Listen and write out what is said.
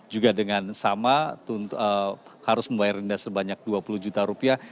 juga dengan sama harus membayar denda sebanyak dua puluh juta rupiah